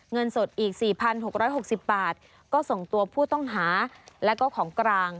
เงินสดอีก๔๖๖๐บาทก็ส่งตัวผู้ต้องหาและก็ของกลาง